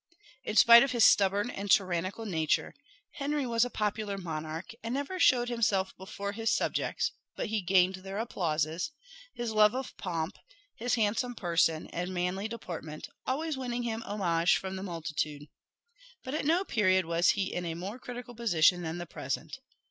In spite of his stubborn and tyrannical nature, Henry was a popular monarch, and never showed himself before his subjects but he gained their applauses; his love of pomp, his handsome person, and manly deportment, always winning him homage from the multitude. But at no period was he in a more critical position than the present.